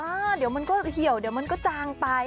เดี๋ยวมันก็เหี่ยวเดี๋ยวมันก็จางไป